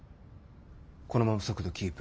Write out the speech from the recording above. このまま速度キープ。